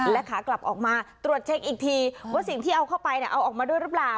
และขากลับออกมาตรวจเช็คอีกทีว่าสิ่งที่เอาเข้าไปเอาออกมาด้วยหรือเปล่า